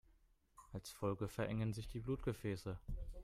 Als Folge verengen sich die Blutgefäße.